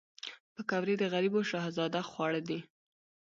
پکورې د غریبو شهزاده خواړه دي